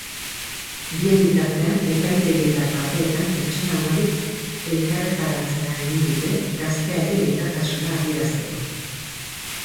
Bien bitartean, epaitegietako ateetan pertsona ugarik elkarretaratzea egin dute gazteari elkartasuna adierazteko.